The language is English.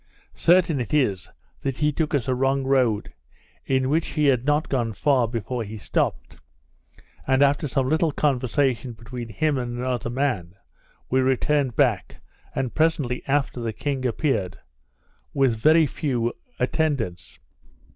Certain it is, that he took us a wrong road, in which he had not gone far before he stopped, and after some little conversation between him and another man, we returned back, and presently after the king appeared, with very few attendants.